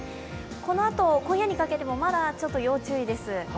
このあと、今夜にかけてもまだちょっと要注意です。